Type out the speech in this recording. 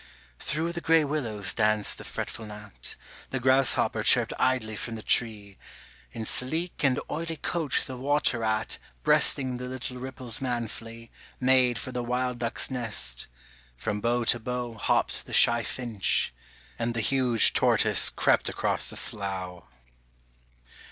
Through the grey willows danced the fretful gnat, The grasshopper chirped idly from the tree, In sleek and oily coat the water rat Breasting the little ripples manfully Made for the wild duck's nest, from bough to bough Hopped the shy finch, and the huge tortoise crept across the slough.